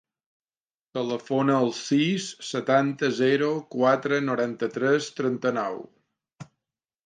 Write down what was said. Telefona al sis, setanta, zero, quatre, noranta-tres, trenta-nou.